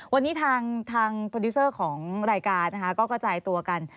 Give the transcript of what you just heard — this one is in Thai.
วันนี้ทางโปรดิวเซอร์ของรายการนะคะก็กระจายตัวกัน